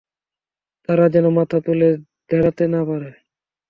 তারা যেন মাথা তুলে দাড়াতে না পারে।